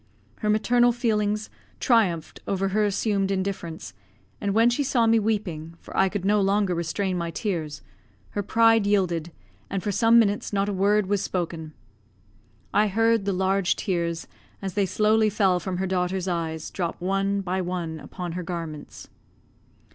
Her maternal feelings triumphed over her assumed indifference, and when she saw me weeping, for I could no longer restrain my tears, her pride yielded, and for some minutes not a word was spoken. I heard the large tears, as they slowly fell from her daughter's eyes, drop one by one upon her garments.